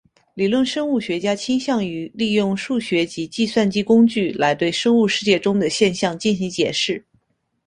理论生物学家倾向于利用数学及计算机工具来对生物世界中的现象进行解释。